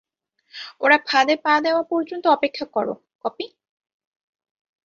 ওরা ফাঁদে পা দেওয়া পর্যন্ত অপেক্ষা কর, কপি?